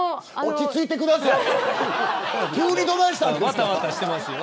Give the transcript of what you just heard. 落ち着いてください。